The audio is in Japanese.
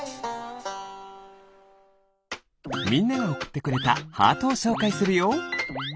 みんながおくってくれたハートをしょうかいするよ。